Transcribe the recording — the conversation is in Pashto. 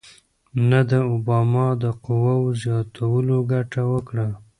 نه د اوباما د قواوو زیاتولو ګټه وکړه.